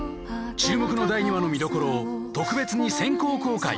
注目の第２話の見どころを特別に先行公開